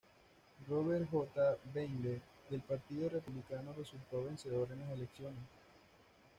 Robert J. Bentley del partido Republicano resultó vencedor en las elecciones.